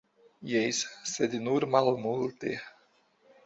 Jes, sed nur malmulte.